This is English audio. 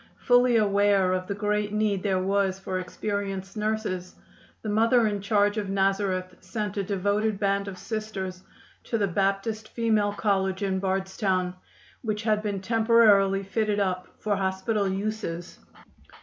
Fully aware of the great need there was for experienced nurses, the Mother in charge of Nazareth sent a devoted band of Sisters to the Baptist Female College in Bardstown, which had been temporarily fitted up for hospital uses.